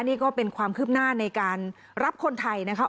นี่ก็เป็นความคืบหน้าในการรับคนไทยนะคะ